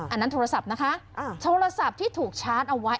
อันนั้นโทรศัพท์นะคะโทรศัพท์ที่ถูกชาร์จเอาไว้